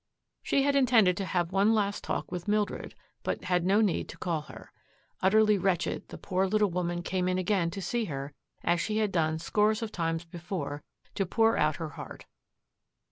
She had intended to have one last talk with Mildred, but had no need to call her. Utterly wretched, the poor little woman came in again to see her as she had done scores of times before, to pour out her heart.